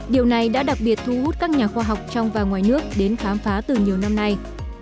điều này đã đặc biệt thu hút các nhà khoa học trong và ngoài nước đến khám phá từ nhiều năm nay